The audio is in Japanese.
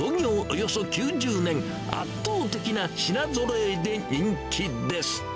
およそ９０年、圧倒的な品ぞろえで人気です。